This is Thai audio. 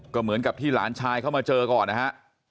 ก็เหมือนกับที่หลานชายเข้ามาเจอก่อนนะฮะ